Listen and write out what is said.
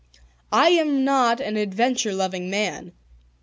I am not an adventure loving man.